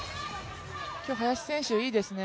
今日、林選手いいですね。